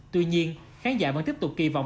tuy nhiên khán giả vẫn tiếp tục kỳ vọng